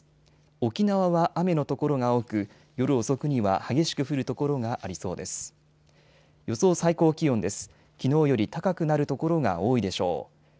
沖縄は雨の所が多く、夜遅くには激しく降る所がありそうです。